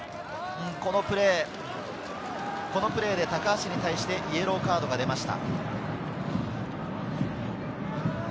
このプレーで高橋に対してイエローカードが出ました。